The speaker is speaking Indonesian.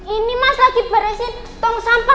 ini mas lagi beresin tong sampah